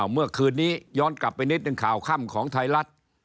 เมื่อคืนนี้ย้อนกลับไปนิดหนึ่งข่าวค่ำของไทยรัฐ